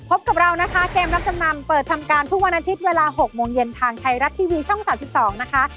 พบกับเรานะคะเกมรับจำนำเปิดทำการทุกวันอาทิตย์เวลา๖โมงเย็นทางไทยรัฐทีวีช่อง๓๒นะคะ